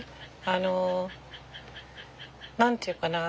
あの何て言うかな